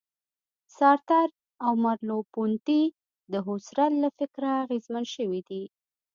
سارتر او مرلوپونتې د هوسرل له فکره اغېزمن شوي دي.